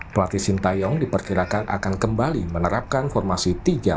pelatih sintayong diperkirakan akan kembali menerapkan formasi tiga